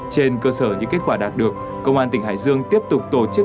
trên cơ sở những kết quả đạt được công an tỉnh hải dương tiếp tục tổ chức